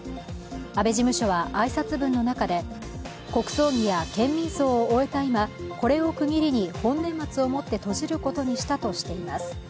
安倍事務所は挨拶文の中で、国葬儀や県民葬を終えた今、これをもって本年末閉じることにしたとしています。